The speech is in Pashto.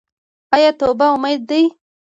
آیا توبه امید دی؟